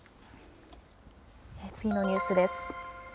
次のニュースです。